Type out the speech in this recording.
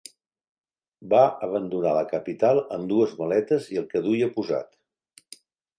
Va abandonar la capital amb dues maletes i el que duia posat.